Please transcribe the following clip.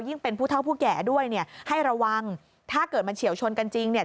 เป็นผู้เท่าผู้แก่ด้วยเนี่ยให้ระวังถ้าเกิดมันเฉียวชนกันจริงเนี่ย